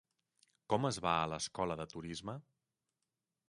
Com es va a l'escola de turisme?